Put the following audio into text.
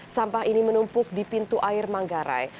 sampah ini menumpuk di pintu air manggarai